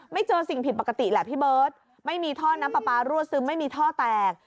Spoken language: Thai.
เจอสิ่งผิดปกติแหละพี่เบิร์ตไม่มีท่อน้ำปลาปลารั่วซึมไม่มีท่อแตก